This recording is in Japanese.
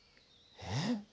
えっ？